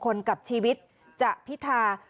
คุณสิริกัญญาบอกว่า๖๔เสียง